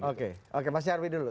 oke oke mas nyarwi dulu